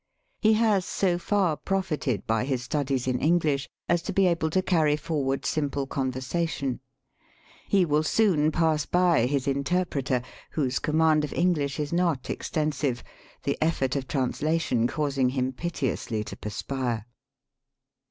He has so far profited by his studies in English as to be able to carry forward simple conversation. He will soon pass by his interpreter, whose command of English is not extensive, the eflFort of trans lation causing him piteously to perspire.